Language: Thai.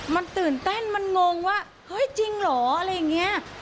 มันตื่นเต้นมันงงว่าเฮ้ยจริงเหรออะไรอย่างนี้